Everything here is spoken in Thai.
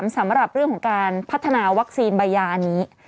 สำหรับเรื่องของการพัฒนาวัคซีนใบยานี้